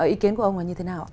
ý kiến của ông là như thế nào